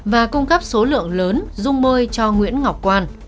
và cung cấp số lượng lớn dung môi cho nguyễn ngọc quan